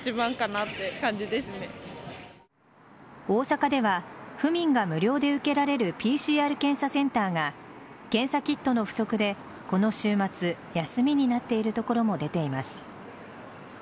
大阪では府民が無料で受けられるＰＣＲ検査センターが検査キットの不足でこの週末休みになっている所も出ています。